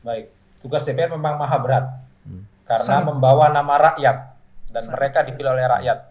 baik tugas dpr memang maha berat karena membawa nama rakyat dan mereka dipilih oleh rakyat